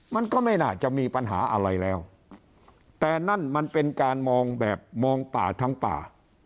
มันก็ไม่น่าจะมีปัญหาอะไรแล้วแต่นั่นมันเป็นการมองแบบมองป่าทั้งป่า